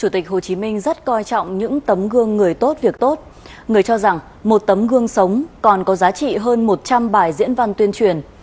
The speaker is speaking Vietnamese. tấm gương sống còn có giá trị hơn một trăm linh bài diễn văn tuyên truyền